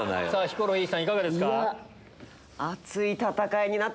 ヒコロヒーさんいかがですか？